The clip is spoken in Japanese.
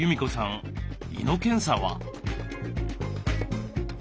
胃の検査は？